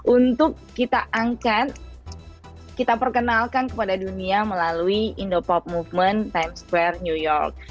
untuk kita angkat kita perkenalkan kepada dunia melalui indo pop movement times square new york